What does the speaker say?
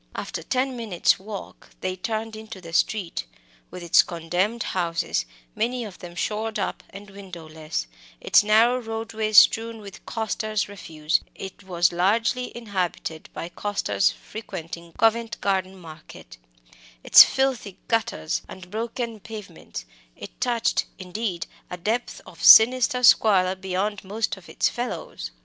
After ten minutes' walking they turned into the street. With its condemned houses, many of them shored up and windowless, its narrow roadway strewn with costers' refuse it was largely inhabited by costers frequenting Covent Garden Market its filthy gutters and broken pavements, it touched, indeed, a depth of sinister squalor beyond most of its fellows.